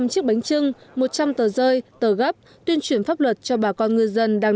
hôm nay chúng tôi tổ chức phối hợp với chính quyền và nhân dân các địa phương